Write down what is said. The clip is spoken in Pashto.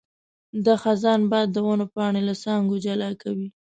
د خزان باد د ونو پاڼې له څانګو جلا کوي.